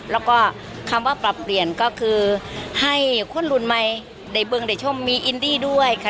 แล้วก็คำว่าปรับเปลี่ยนก็คือให้คนรุ่นใหม่ในเบื้องได้ชมมีอินดี้ด้วยค่ะ